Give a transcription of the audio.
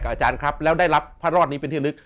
อาจารย์ครับแล้วได้รับพระรอดนี้เป็นที่ลึก